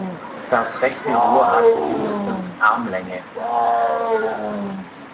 Das rechte Rohr hat mindestens Armlänge.